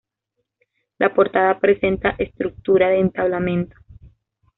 La portada presenta estructura de entablamento.